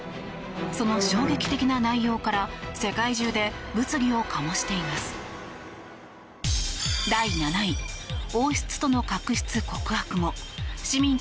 その衝撃的な内容から世界中で物議を醸しています。